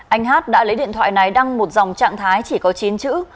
anh hát đã lấy điện thoại này đăng một dòng trạng thái chỉ có chín chữ